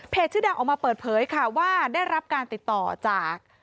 ชื่อดังออกมาเปิดเผยค่ะว่าได้รับการติดต่อจาก